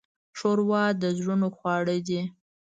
ښوروا د زړونو خواړه دي.